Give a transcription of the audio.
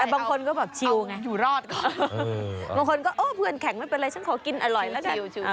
อย่ามีพี่คนนี้ด้วยครับ